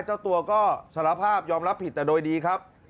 เจ้าตัวก็สารภาพยอมรับผิดแต่โดยดีครับ